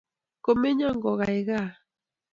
Komenya, kogaiga-a.